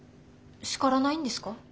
叱らないんですか？